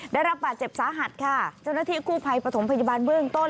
ได้รับบาดเจ็บสาหัสค่ะเจ้าหน้าที่กู้ภัยปฐมพยาบาลเบื้องต้น